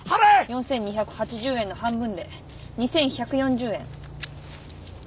４，２８０円の半分で２，１４０円。